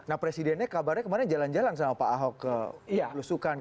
nah presidennya kabarnya kemarin jalan jalan sama pak ahok ke belusukan